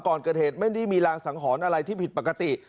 ก่อนเกิดเหตุไม่ได้มีรางสังหรณ์อะไรที่ผิดปกติ